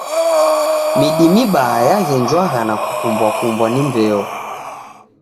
Midi mibaha yaghenjwagha na kukumbwa-kumbwa ni mbeo.